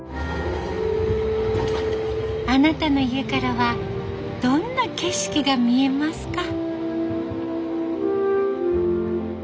あなたの家からはどんな景色が見えますか？